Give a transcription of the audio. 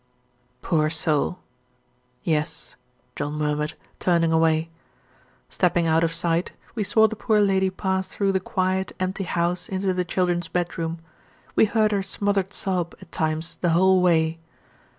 "Poor soul! yes," John murmured, turning away. Stepping out of sight, we saw the poor lady pass through the quiet, empty house into the children's bed room. We heard her smothered sob, at times, the whole way.